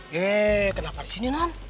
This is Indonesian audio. yee kenapa disini non